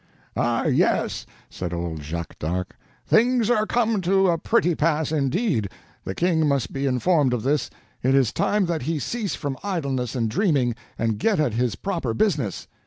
"Ah, yes," said old Jacques d'Arc, "things are come to a pretty pass, indeed! The King must be informed of this. It is time that he cease from idleness and dreaming, and get at his proper business."